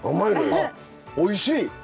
あおいしい。